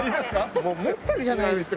もう持ってるじゃないですか！